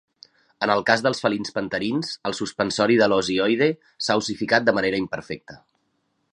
En el cas dels felins panterins, el suspensori de l"os hioide s"ha ossificat de manera imperfecta.